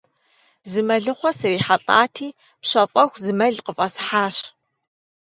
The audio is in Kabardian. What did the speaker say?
Зы мэлыхъуэ срихьэлӀати, пщэфӀэху, зы мэл къыфӀэсхьащ.